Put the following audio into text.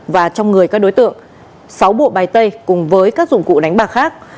và trong người các đối tượng sáu bộ bài tay cùng với các dụng cụ đánh bạc khác